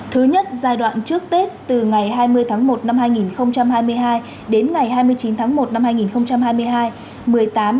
thứ nhất giai đoạn trước tết từ ngày hai mươi tháng một năm hai nghìn hai mươi hai đến ngày hai mươi chín tháng một năm hai nghìn hai mươi hai